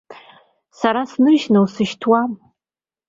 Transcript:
Сара сныжьны усшьҭуам!